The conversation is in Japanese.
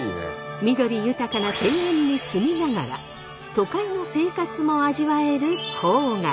緑豊かな庭園に住みながら都会の生活も味わえる郊外。